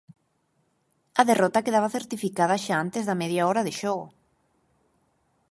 A derrota quedaba certificada xa antes da media hora de xogo.